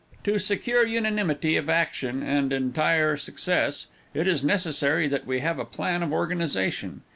To secure unanimity of action and entire success, it is necessary that we have a plan of organization.